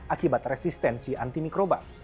akibat resistensi antimikroba